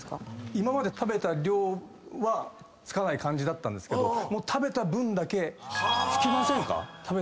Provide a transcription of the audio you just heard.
今まで食べた量はつかない感じだったんですけどもう食べた分だけつきませんか？